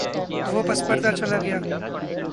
وہ پس پردہ چلاگیا۔